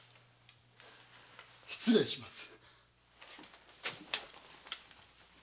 失礼します。